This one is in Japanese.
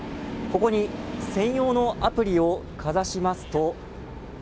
ここに専用のアプリをかざしますと。